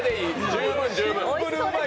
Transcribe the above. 十分、十分。